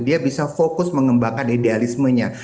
dia bisa fokus mengembangkan idealismenya